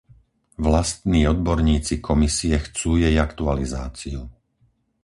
Vlastní odborníci Komisie chcú jej aktualizáciu.